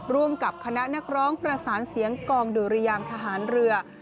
ร่วมกับคณะนักร้องประสานเสียงกองดุรยางทหารเรือ